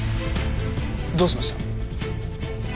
どうしました？